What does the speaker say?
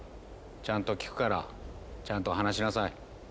ちゃんと聞くからちゃんと話しなさい。